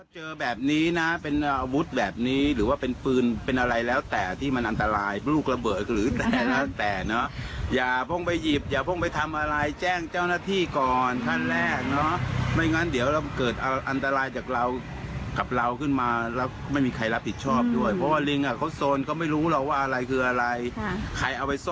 เจอแบบนี้นะเป็นอาวุธแบบนี้หรือว่าเป็นปืนเป็นอะไรแล้วแต่ที่มันอันตรายลูกระเบิดหรือแต่นะแต่เนาะอย่าเพิ่งไปหยิบอย่าเพิ่งไปทำอะไรแจ้งเจ้าหน้าที่ก่อนท่านแรกเนอะไม่งั้นเดี๋ยวเราเกิดอันตรายจากเรากับเราขึ้นมาแล้วไม่มีใครรับผิดชอบด้วยเพราะว่าลิงอ่ะเขาโซนเขาไม่รู้หรอกว่าอะไรคืออะไรใครเอาไปซ่อน